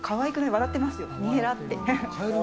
笑ってますよ。にやって。